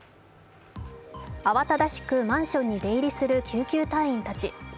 慌ただしくマンションに出入りする救急隊員たち。